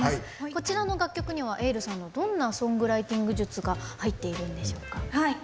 こちらの楽曲にはｅｉｌｌさんのどんなソングライティング術が入っているんでしょうか？